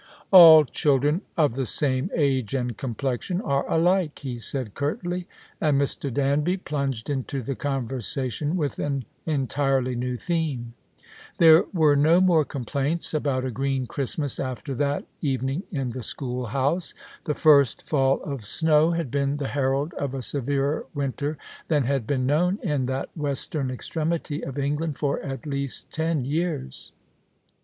" All children of the same age and complexion are alike," he said curtly ; and Mr. Danby plunged into the conversation with an entirely new theme. 186 The Christmas Hirelings. There were no more complaints abont a green Christmas after that evening in the schoolhouse. The first fall of snow had been the herald of a severer winter than had been known in that western extremity of England for at least ten years.